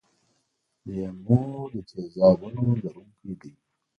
لیمو د تیزابونو لرونکی دی.